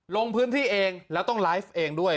ลงพื้นที่เองแล้วต้องไลฟ์เองด้วย